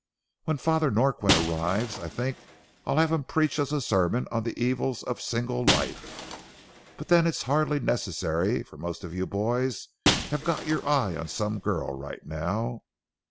When Father Norquin arrives, I think I'll have him preach us a sermon on the evils of single life. But then it's hardly necessary, for most of you boys have got your eye on some girl right now.